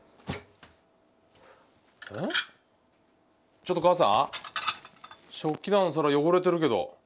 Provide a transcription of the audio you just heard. ちょっと母さん食器棚の皿汚れてるけど。